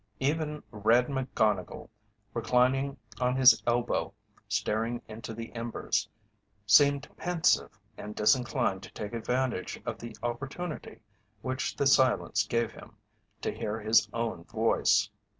Even "Red" McGonnigle, reclining on his elbow staring into the embers, seemed pensive and disinclined to take advantage of the opportunity which the silence gave him to hear his own voice.